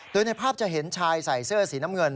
โดยในภาพจะเห็นชายใส่เสื้อสีน้ำเงิน